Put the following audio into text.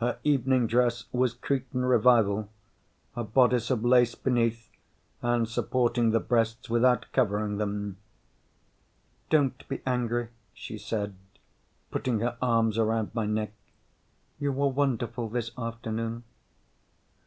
Her evening dress was Cretan Revival, a bodice of lace beneath and supporting the breasts without covering them. "Don't be angry," she said, putting her arms around my neck. "You were wonderful this afternoon."